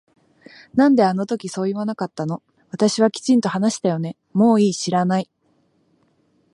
なんであの時そう言わなかったの私はきちんと話したよねもういい知らない